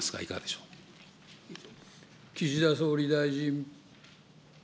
ま岸田総理大臣。